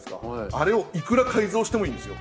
あれをいくら改造してもいいんですよ。